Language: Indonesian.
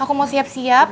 aku mau siap siap